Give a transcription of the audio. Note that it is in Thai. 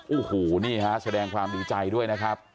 โอ้โหนี่ฮะแสดงความดีใจด้วยนะครับ